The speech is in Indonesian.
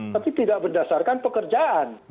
tapi tidak berdasarkan pekerjaan